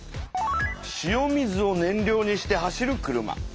塩水をねん料にして走る車。